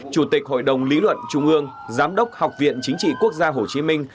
chủ tịch hội đồng lý luận trung ương giám đốc học viện chính trị quốc gia hồ chí minh